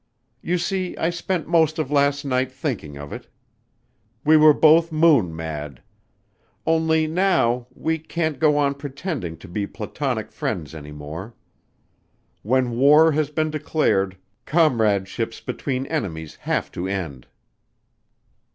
You see I spent most of last night thinking of it. We were both moon mad. Only now we can't go on pretending to be Platonic friends any more. When war has been declared comradeships between enemies have to end."